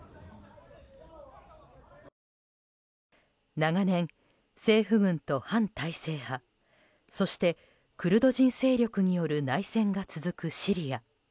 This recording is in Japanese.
長年、政府軍と反体制派そしてクルド人勢力による内戦が続くシリア。